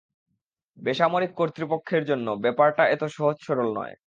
বেসামরিক কর্তৃপক্ষের জন্য ব্যাপারটা এত সহজ সরল নয়।